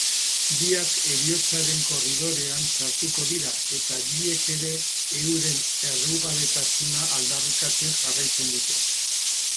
Biak heriotzaren korridorean sartuko dira eta biek ere euren errugabetasuna aldarrikatzen jarraitzen dute.